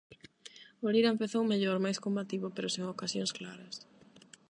O Lira empezou mellor, máis combativo, pero sen ocasións claras.